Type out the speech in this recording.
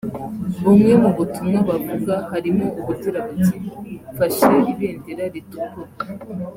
Bumwe mu butumwa bavuga harimo ubugira buti”Mfashe ibendera ritukura